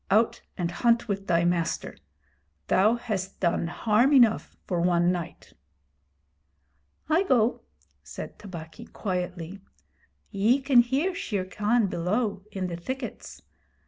'Out and hunt with thy master. Thou hast done harm enough for one night.' 'I go,' said Tabaqui, quietly. 'Ye can hear Shere Khan below in the thickets.